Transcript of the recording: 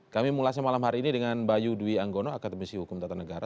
kami mengulasnya malam hari ini dengan bayu dwi anggono akademisi hukum tata negara